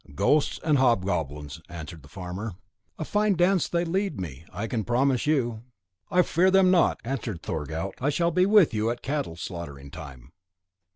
"Ghosts and hobgoblins," answered the farmer; "a fine dance they lead me, I can promise you." "I fear them not," answered Thorgaut; "I shall be with you at cattle slaughtering time."